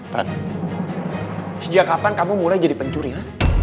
tan sejak kapan kamu mulai jadi pencuri ya